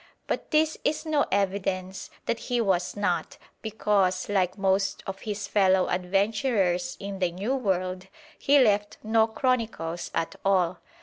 But this is no evidence that he was not, because, like most of his fellow adventurers in the New World, he left no chronicles at all.